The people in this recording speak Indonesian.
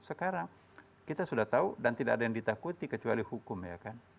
sekarang kita sudah tahu dan tidak ada yang ditakuti kecuali hukum ya kan